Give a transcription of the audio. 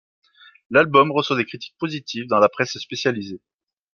L'album reçoit des critiques positives dans la presse spécialisée.